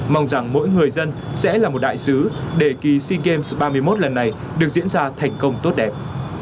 mong rằng mỗi người dân sẽ là một đại sứ để kỳ sea games ba mươi một lần này được diễn ra thành công tốt đẹp